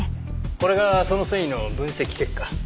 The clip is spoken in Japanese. これがその繊維の分析結果。